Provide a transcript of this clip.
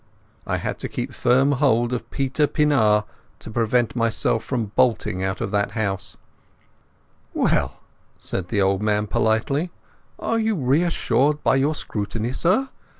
I had to keep a firm hold of Peter Pienaar to prevent myself bolting out of that house. "Well," said the old man politely, "are you reassured by your scrutiny, sir?" I couldn't find a word.